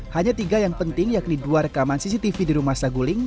hanya tiga yang penting yakni dua rekaman cctv di rumah saguling